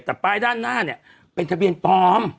แต่ป้ายด้านหน้าเนี่ยเป็นทะเบียนปลอม